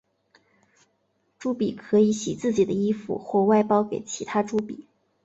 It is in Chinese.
朱比可以洗自己的衣服或外包给其他朱比。